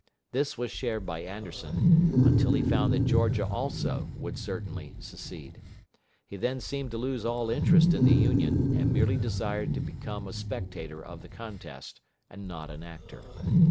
This was shared by Anderson, until he found that Georgia also would certainly secede. He then seemed to lose all interest in the Union, and merely desired to become a spectator of the contest, and not an actor.